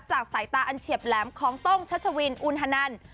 สายตาอันเฉียบแหลมของโต้งชัชวินอุณฮนัน